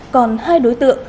còn hai đối tượng